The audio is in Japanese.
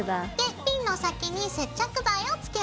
ピンの先に接着剤をつけます。